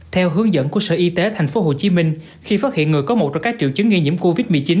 theo hướng dẫn của sở y tế tp hcm khi phát hiện người có một trong các triệu chứng nghi nhiễm covid một mươi chín